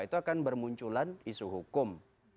itu akan bermunculan isu hukum